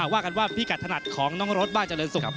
ว่ากันว่าพิกัดถนัดของน้องรถบ้านเจริญศุกร์